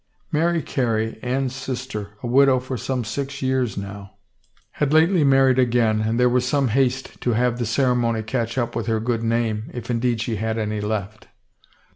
Mary Carey, Anne's sister, a widow for some six years now, had lately married again and there was some haste to have the ceremony catch up with her good name — if indeed she had any left.